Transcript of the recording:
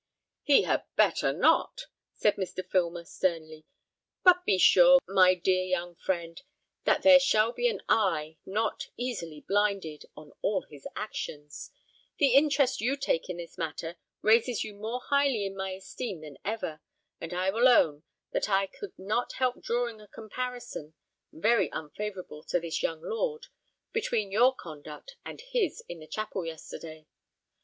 "He had better not," said Mr. Filmer, sternly; "but be sure, my dear young friend, that there shall be an eye, not easily blinded, on all his actions. The interest you take in this matter raises you more highly in my esteem than ever; and I will own, that I could not help drawing a comparison, very unfavourable to this young lord, between your conduct and his in the chapel yesterday.